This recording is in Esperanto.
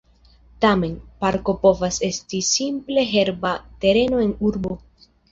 Tamen, parko povas esti simple herba tereno en urbo.